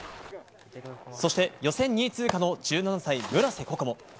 そして予選２位通過の１７歳、村瀬心椛。